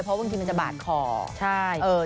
เพราะเครื่องที่มันจะบาดคอ